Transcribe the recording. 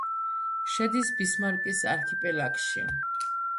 შედის ბისმარკის არქიპელაგში.